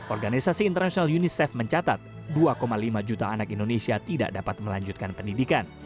organisasi internasional unicef mencatat dua lima juta anak indonesia tidak dapat melanjutkan pendidikan